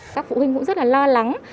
các phụ huynh cũng rất là lo lắng